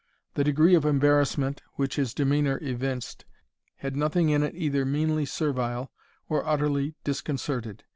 The degree of embarrassment, which his demeanor evinced, had nothing in it either meanly servile, or utterly disconcerted.